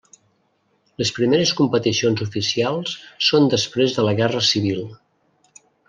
Les primeres competicions oficials són després de la Guerra Civil.